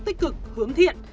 tích cực hướng thiện